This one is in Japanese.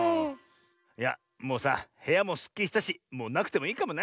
いやもうさへやもすっきりしたしもうなくてもいいかもな。